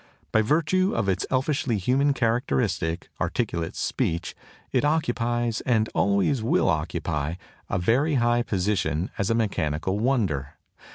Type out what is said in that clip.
By virtue of its elfishly human characteristic, articulate speech, it occupies, and always will occupy, a very high position as a mechanical wonder.